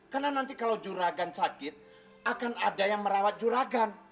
karena nanti kalau juragan sakit akan ada yang merawat juragan